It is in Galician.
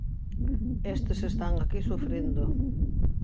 Estes están aquí sufrindo.